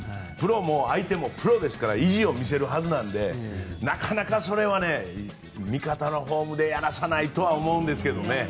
相手もプロですから意地を見せるはずなのでなかなかそれは味方のホームでやらさないとは思うんですけどね。